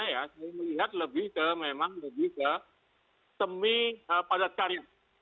saya melihat lebih ke memang lebih ke semi padat karya